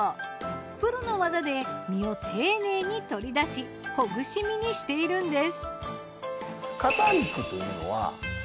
プロの技で身を丁寧に取り出しほぐし身にしているんです。